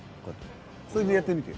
それでやってみて。